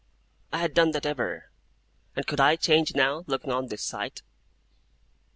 I had done that ever; and could I change now, looking on this sight!